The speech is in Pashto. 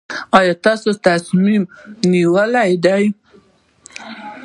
ایا تصمیم مو نیولی دی؟